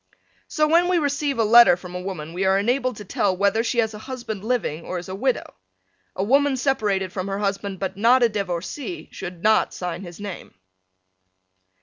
So when we receive a letter from a woman we are enabled to tell whether she has a husband living or is a widow. A woman separated from her husband but not a divorcee should not sign his name.